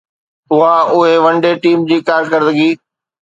اها آهي one day team جي ڪارڪردگي